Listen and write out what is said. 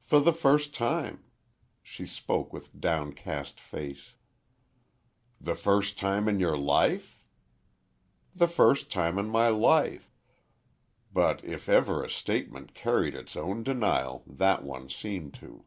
"For the first time," she spoke with downcast face. "The first time in your life?" "The first time in my life," but if ever a statement carried its own denial that one seemed to.